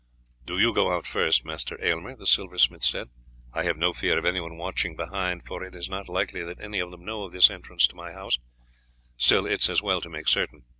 "Do you go out first, Master Aylmer," the silversmith said. "I have no fear of anyone watching behind, for it is not likely that any of them know of this entrance to my house; still, it is as well to make certain.